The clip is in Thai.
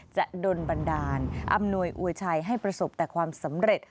จะโดนบันดาลอำนวยอวยชัยให้ประสบแต่ความสำเร็จ